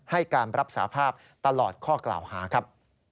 ให้การรับสาภาพตลอดข้อกล่าวหาครับ